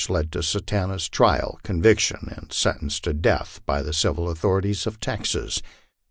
led to Satanta's trial, conviction, and sentence to death by the civil author ities of Texas.